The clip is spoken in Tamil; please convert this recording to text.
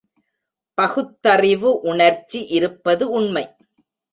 பகுத்தறிவு உணர்ச்சி இருப்பது உண்மை.